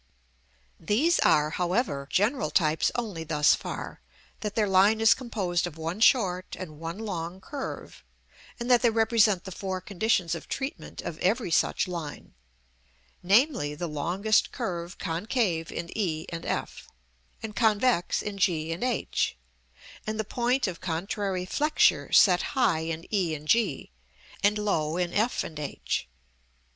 These are, however, general types only thus far, that their line is composed of one short and one long curve, and that they represent the four conditions of treatment of every such line; namely, the longest curve concave in e and f, and convex in g and h; and the point of contrary flexure set high in e and g, and low in f and h.